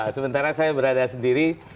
sementara saya berada sendiri